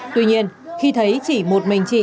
tuy nhiên khi thấy chỉ một mình chị